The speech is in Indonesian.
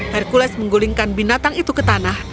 hercules menggulingkan binatang itu ke tanah